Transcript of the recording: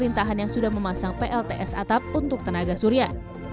pemerintahan yang sudah memasang plts atap untuk tenaga surya